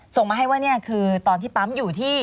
ส่งมาให้ว่านี่คือตอนที่ปั๊มอยู่ที่